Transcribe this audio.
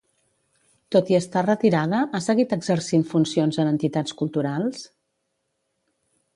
Tot i estar retirada, ha seguit exercint funcions en entitats culturals?